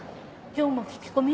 今日も聞き込み？